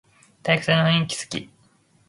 体育祭の雰囲気すき